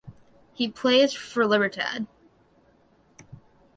He plays for Libertad.